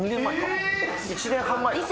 １年半前か。